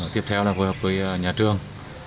tiếp theo là hội học với nhà trường